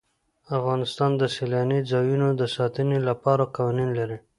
افغانستان د سیلاني ځایونو د ساتنې لپاره قوانین لري.